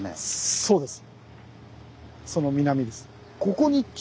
そうですね。